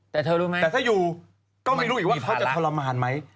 แต่ถ้าอยู่ก็ไม่รู้อีกว่าเขาจะทรมานไหม